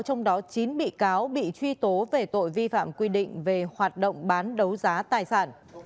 trong đó chín bị cáo bị truy tố về tội vi phạm quy định về hoạt động bán đấu giá tài sản